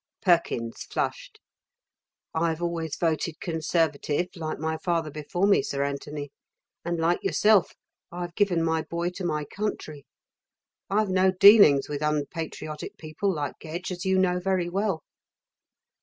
Perkins flushed. "I've always voted conservative, like my father before me, Sir Anthony, and like yourself I've given my boy to my country. I've no dealings with unpatriotic people like Gedge, as you know very well."